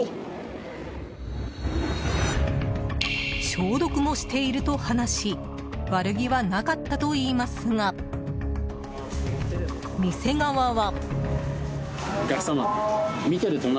消毒もしていると話し悪気はなかったといいますが店側は。